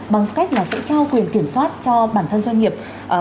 bằng cách là sẽ trao quyền kiểm soát cho bản thân doanh nghiệp